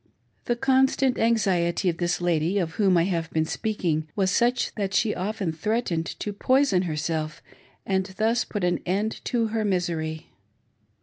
The constant anxiety of this lady, of whom I have been, speaking, was such that she often threatened to poison herself and thus put an end to her misery.